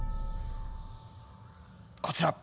こちら！